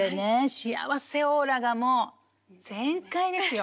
幸せオーラがもう全開ですよ。